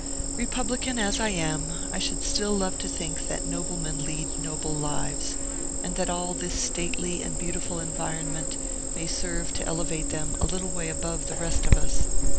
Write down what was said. Republican as I am, I should still love to think that noblemen lead noble lives, and that all this stately and beautiful environment may serve to elevate them a little way above the rest of us.